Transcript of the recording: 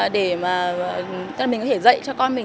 để mình có thể dạy cho con mình